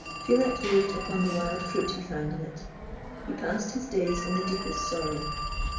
Philax lived upon the wild fruit he found in it. He passed his days in the deepest sorrow.